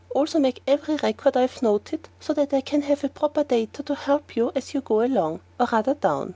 Also make every record I have noted so that I can have the proper data to help you as you go along or rather down.